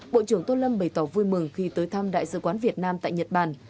bộ trưởng tô lâm bày tỏ vui mừng khi tới thăm đại sứ quán việt nam tại nhật bản